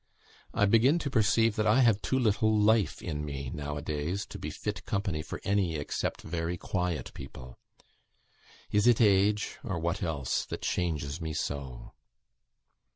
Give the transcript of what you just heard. I begin to perceive that I have too little life in me, now a days, to be fit company for any except very quiet people. Is it age, or what else, that changes me so?"